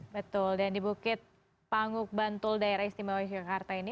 betul dan di bukit panguk bantul daerah istimewa yogyakarta ini